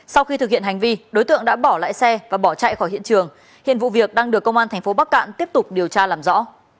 sau khi thực hiện hành vi đối tượng đã bỏ lại xe và bỏ chạy khỏi hiện trường hiện vụ việc đang được công an tp bắc cạn tiếp tục điều tra làm rõ